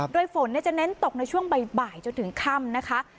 โดยฝนจะเน้นตกในช่วงบ่ายจนถึงค่ำนะคะ